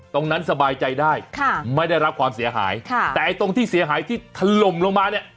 สบายใจได้ค่ะไม่ได้รับความเสียหายค่ะแต่ไอ้ตรงที่เสียหายที่ถล่มลงมาเนี่ย